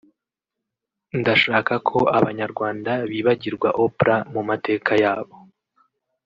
ndashaka ko abanyarwanda bibagirwa Oprah mu mateka yabo